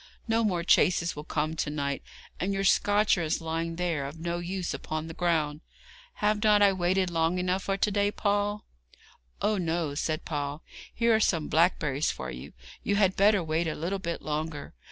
No more chaises will come to night, and your scotcher is lying there, of no use, upon the ground. Have not I waited long enough for to day, Paul?' 'Oh no,' said Paul. 'Here are some blackberries for you; you had better wait a little bit longer.